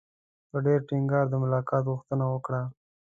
په ډېر ټینګار د ملاقات غوښتنه وکړه.